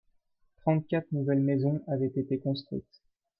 trente quatre nouvelles maisons avaient été construites.